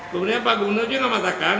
kemudian pak gubernur juga mengatakan